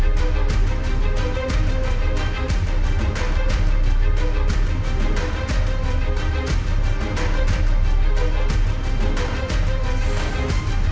วิทยาการที่สุดการบนทางที่สุดเพิ่มการรายการแบบสุดเพื่อจะเชื่อมัน๑๙๖๐ซักที